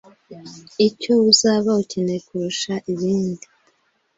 Icyo uzaba ukeneye kurusha ibindi,